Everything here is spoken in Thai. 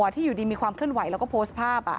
ที่อยู่ดีมีความเคลื่อนไหวแล้วก็โพสต์ภาพ